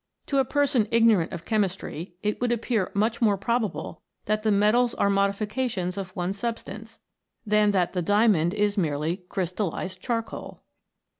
To a person ignorant of chemistry it would appear much more probable that the metals are modifica tions of one substance, than that the diamond is merely crystallized charcoal.